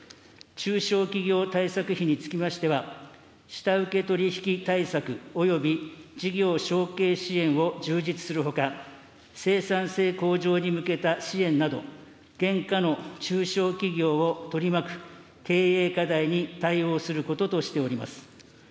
中小企業対策費につきましては、下請取引対策および事業承継支援を充実するほか、生産性向上に向けた支援など、現下の中小企業を取り巻く経営課題に対応することとしております。